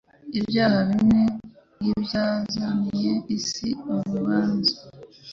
Ibyaha bimwe nk’ibyazaniye isi urubanza